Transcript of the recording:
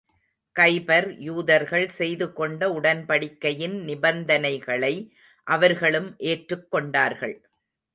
கைபர் யூதர்கள் செய்து கொண்ட உடன்படிக்கையின் நிபந்தனைகளை அவர்களும் ஏற்றுக் கொண்டார்கள்.